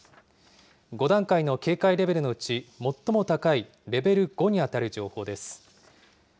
５段階の警戒レベルのうち最も高いレベル５にあたる情報です。